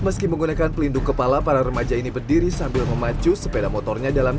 meski menggunakan pelindung kepala para remaja ini berdiri sambil memacu sepeda motornya dalam